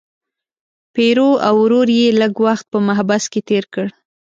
پیرو او ورور یې لږ وخت په محبس کې تیر کړ.